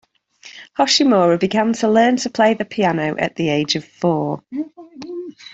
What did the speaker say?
Hoshimura began to learn to play the piano at the age of four.